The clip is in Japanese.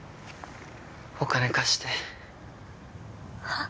お金貸してはっ？